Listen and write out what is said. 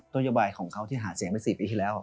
โยบายของเขาที่หาเสียงไป๔ปีที่แล้ว